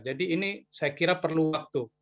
jadi ini saya kira perlu waktu